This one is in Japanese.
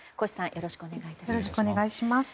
よろしくお願いします。